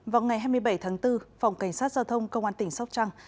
vào ngày hai mươi bảy tháng bốn phòng cảnh sát giao thông công an tỉnh sóc trăng